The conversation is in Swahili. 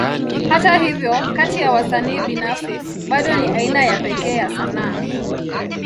Hata hivyo, kati ya wasanii binafsi, bado ni aina ya pekee ya sanaa.